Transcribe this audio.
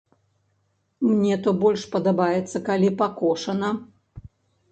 Мне то больш падабаецца, калі пакошана.